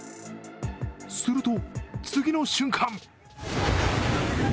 すると、次の瞬間。